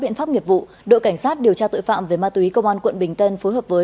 biện pháp nghiệp vụ đội cảnh sát điều tra tội phạm về ma túy công an quận bình tân phối hợp với